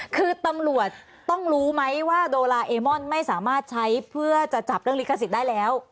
คือตำรวจต้องรู้ไหมว่าโดราเอมอนไม่สามารถใช้เพื่อจะจับเรื่องลิขสิทธิ์ได้แล้ว